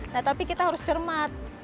nah tapi kita harus cermat